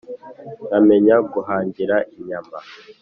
Nkamenya guhangira inyama!